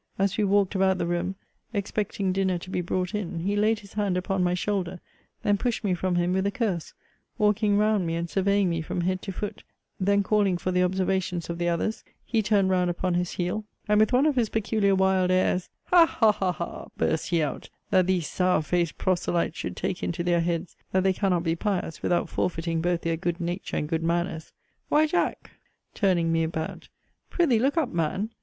As we walked about the room, expecting dinner to be brought in, he laid his hand upon my shoulder; then pushed me from him with a curse; walking round me, and surveying me from head to foot; then calling for the observations of the others, he turned round upon his heel, and with one of his peculiar wild airs, 'Ha, ha, ha, ha,' burst he out, 'that these sour faced proselytes should take it into their heads that they cannot be pious, without forfeiting both their good nature and good manners! Why, Jack,' turning me about, 'pr'ythee look up, man!